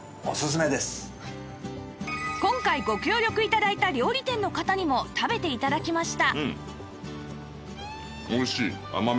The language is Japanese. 今回ご協力頂いた料理店の方にも食べて頂きました